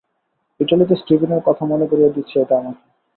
ইটালিতে স্টিভেনের কথা মনে করিয়ে দিচ্ছে এটা আমাকে।